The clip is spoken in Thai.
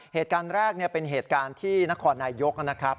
เหตุการณ์แรกเป็นเหตุการณ์ที่นครนายยกนะครับ